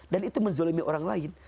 dan itu menzulimi orang lain